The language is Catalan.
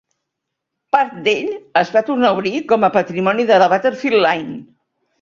Part d'ell es va tornar a obrir com a patrimoni de la Battlefield Line.